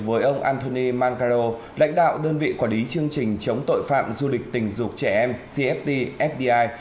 với ông anthony mangaro lãnh đạo đơn vị quả lý chương trình chống tội phạm du lịch tình dục trẻ em cft fbi